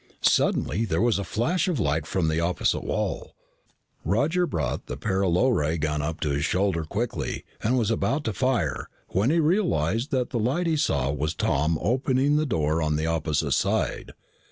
Suddenly there was a flash of light from the opposite wall. Roger brought the paralo ray gun up to his shoulder quickly and was about to fire when he realized that the light he saw was Tom opening the door on the opposite side.